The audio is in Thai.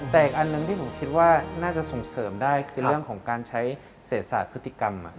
แต่อีกอันหนึ่งที่ผมคิดว่าน่าจะส่งเสริมได้คือเรื่องของการใช้เศษศาสตร์พฤติกรรม